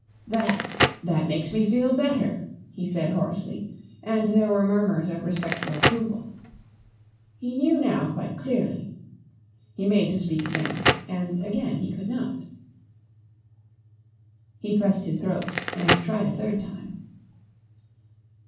"That that makes me feel better," he said hoarsely, and there were murmurs of respectful approval. He knew now quite clearly. He made to speak again, and again he could not. He pressed his throat and tried a third time.